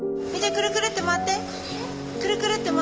くるくるって回って。